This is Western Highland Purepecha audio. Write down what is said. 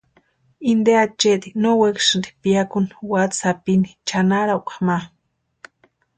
Inte achaeti no wekasïnti piakuni watsí sapini chʼanarakwa ma.